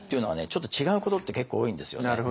ちょっと違うことって結構多いんですよね。